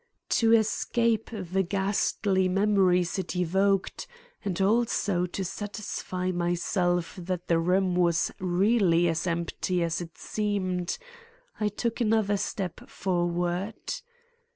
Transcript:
To escape the ghastly memories it evoked and also to satisfy myself that the room was really as empty as it seemed, I took another step forward.